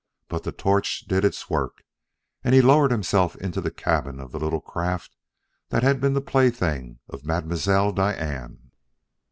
But the torch did its work, and he lowered himself into the cabin of the little craft that had been the plaything of Mademoiselle Diane.